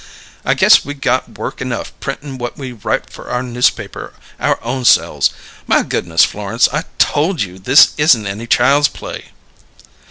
I guess we got work enough printin' what we write for our newspaper our own selves! My goodness, Florence, I told you this isn't any child's play!"